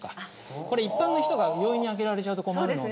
これ一般の人が容易に開けられちゃうと困るので。